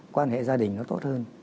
quan hệ gia đình nó tốt hơn